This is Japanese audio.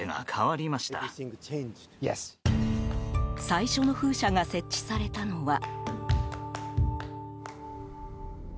最初の風車が設置されたのは。